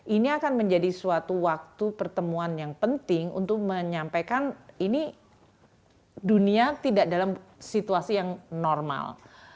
ini akan menjadi suatu waktu pertemuan yang penting untuk menyampaikan ini dunia tidak dalam situasi yang normal